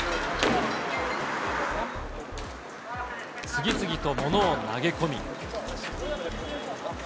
次々と物を投げ込み。